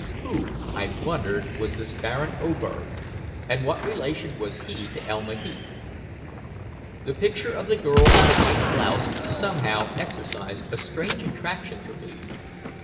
Who, I wondered, was this Baron Oberg, and what relation was he to Elma Heath? The picture of the girl in the white blouse somehow exercised a strange attraction for me.